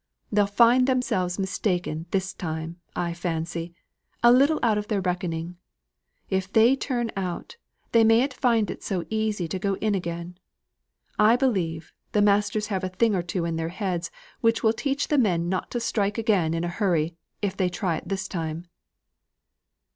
They'll find themselves mistaken this time, I fancy, a little out of their reckoning. If they turn out, they mayn't find it so easy to go in again. I believe, the masters have a thing or two in their heads which will teach the men not to strike again in a hurry, if they try it this time."